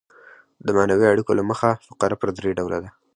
د معنوي اړیکو له مخه فقره پر درې ډوله ده.